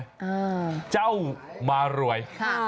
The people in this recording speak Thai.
เออจ้าวมารวย